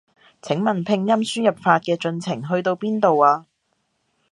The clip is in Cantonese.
請問拼音輸入法嘅進程去到邊度啊？